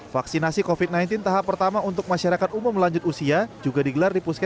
vaksinasi covid sembilan belas tahap pertama untuk masyarakat umum lanjut usia juga digelar di puskesmas